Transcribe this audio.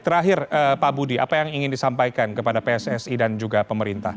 terakhir pak budi apa yang ingin disampaikan kepada pssi dan juga pemerintah